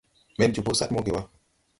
Men jobo sad moge wà.